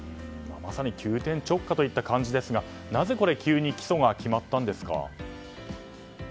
まさに急転直下という感じですがなぜ急に起訴が決まったんですか。